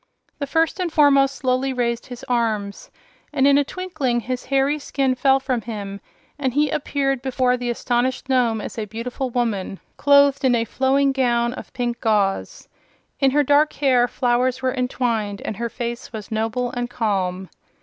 The First and Foremost slowly raised his arms, and in a twinkling his hairy skin fell from him and he appeared before the astonished Nome as a beautiful woman, clothed in a flowing gown of pink gauze. In her dark hair flowers were entwined, and her face was noble and calm.